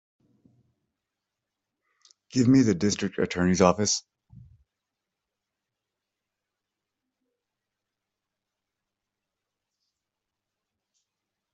Give me the District Attorney's office.